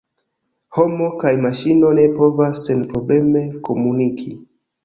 Homo kaj maŝino ne povas senprobleme komuniki.